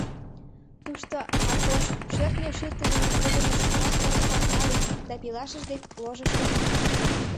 Тушто Акош шӧртньӧ шӱртӧ дене кылдыме шоколад коропкам нале да пелашыж дек ложышко кӱзыш.